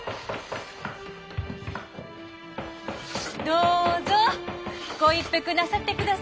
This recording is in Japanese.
どうぞご一服なさってくだせ。